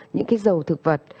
những cái dầu thực vật